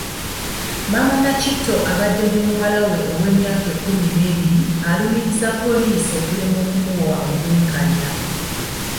Maama Nakitto abadde ne muwala we ow'emyaka ekkumi n'ebiri alumiriza poliisi okulemwa okumuwa obwenkanya.